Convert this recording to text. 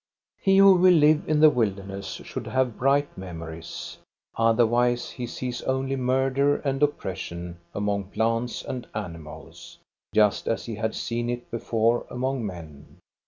He who will live in the wilderness should have bright memories. Otherwise he sees only murder and oppression among plants and animals, just as he had seen it before among men.